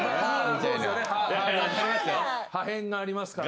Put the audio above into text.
歯へんがありますから。